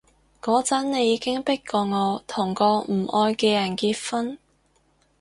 嗰陣你已經迫過我同個唔愛嘅人結婚